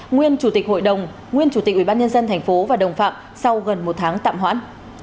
nguyên chủ tịch hội đồng nguyên chủ tịch ubnd tp và đồng phạm sau gần một tháng tạm hoãn